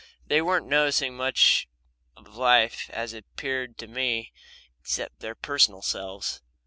They weren't noticing much of life as it appeared to me except their personal selves.